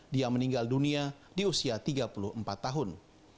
dia meninggal dunia di usia tiga puluh empat tahun